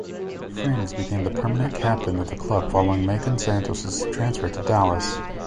Frings became the permanent captain of the club following Maicon Santos's transfer to Dallas.